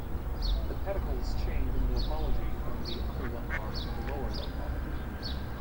The pedicles change in morphology from the upper lumbar to the lower lumbar.